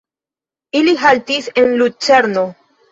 Ili haltis en Lucerno.